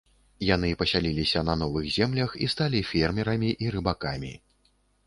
Яны пасяліліся на новых землях і сталі фермерамі і рыбакамі.